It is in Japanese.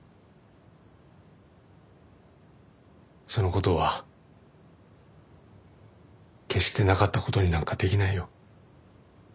その事は決してなかった事になんかできないよ。